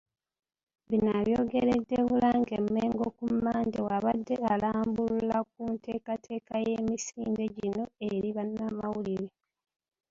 Bino abyogeredde Bulange Mmengo ku Mmande bw'abadde alambulula ku nteekateeka y'emisinde gino eri bannamawulire.